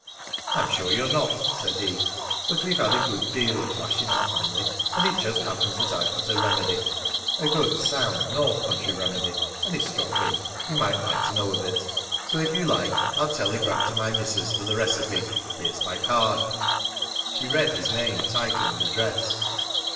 "I'm sure you're not," said he. "But we've had a good deal of rash in our family, and it just happens that I've got a remedy a good, sound, north country remedy, and it struck me you might like to know of it. So, if you like, I'll telegraph to my missis for the recipe. Here's my card." She read his name, title, and address.